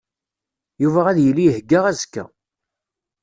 Yuba ad yili ihegga azekka.